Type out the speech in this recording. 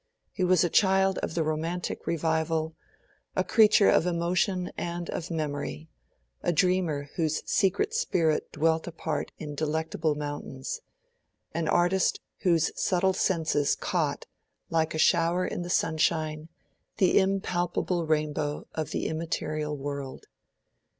He was a child of the Romantic Revival, a creature of emotion and of memory, a dreamer whose secret spirit dwelt apart in delectable mountains, an artist whose subtle senses caught, like a shower in the sunshine, the impalpable rainbow of the immaterial world.